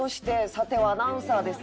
さてはアナウンサーですね。